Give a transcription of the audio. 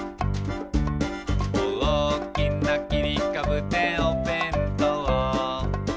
「おおきなきりかぶでおべんとう」